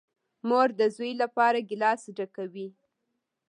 مور ده زوی لپاره گیلاس ډکوي .